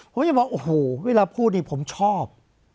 ผมจะบอกโอ้โหเวลาพูดนี่ผมชอบ